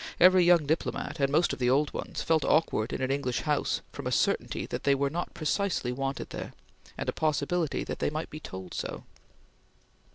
Every young diplomat, and most of the old ones, felt awkward in an English house from a certainty that they were not precisely wanted there, and a possibility that they might be told so.